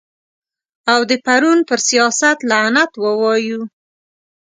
او د پرون پر سیاست لعنت ووایو.